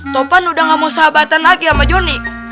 topan udah gak mau sahabatan lagi sama johnny